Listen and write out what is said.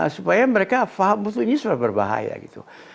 supaya mereka paham ini sudah berbahaya gitu